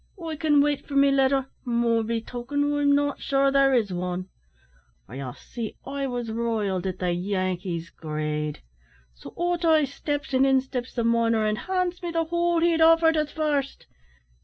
I can wait for me letter, more be token I'm not sure there is wan.' For, ye see, I wos riled at the Yankee's greed. So out I steps, and in steps the miner, and hands me the whole he'd offered at first.